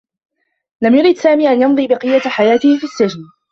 لم يرد سامي أن يمضي بقيّة حياته في السّجن.